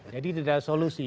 jadi tidak ada solusi